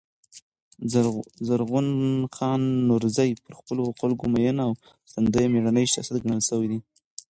زرغون خان نورزي پر خپلو خلکو مین او ساتندوی مېړنی شخصیت ګڼل سوی دﺉ.